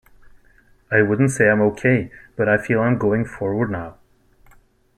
I wouldn't say I'm okay but I feel I'm going forward now.